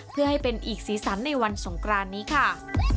เพื่อให้เป็นอีกสีสันในวันสงกรานนี้ค่ะ